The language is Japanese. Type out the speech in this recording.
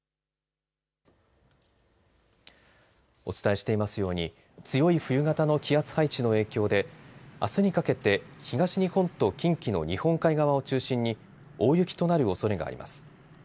お伝えしていますように強い冬型の気圧配置の影響であすにかけて東日本と近畿の日本海側を中心に大雪となるおそれがあります。